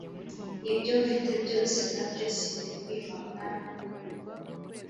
Ibyo mfite byose nabyo simbikwima mwami